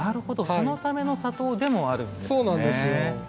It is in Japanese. そのための砂糖でもあるんですね。